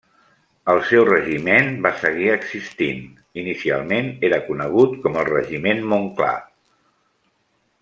El seu Regiment va seguir existint, inicialment era conegut com el Regiment Montclar.